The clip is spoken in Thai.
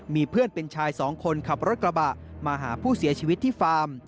มีเพื่อนเป็นชายสองคนขับรถกระบะมาหาผู้เสียชีวิตที่ฟาร์ม